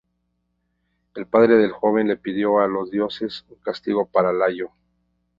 El padre del joven le pidió a los dioses un castigo para Layo.